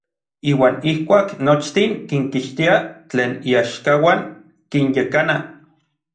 Iuan ijkuak nochtin kinkixtia tlen iaxkauan, kinyekana.